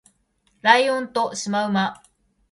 ライオンとシマウマ